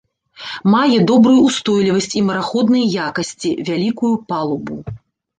Мае добрую ўстойлівасць і мараходныя якасці, вялікую палубу.